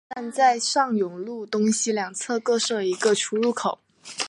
本站在上永路东西两侧各设一个出入口。